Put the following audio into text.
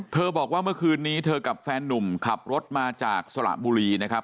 บอกว่าเมื่อคืนนี้เธอกับแฟนนุ่มขับรถมาจากสระบุรีนะครับ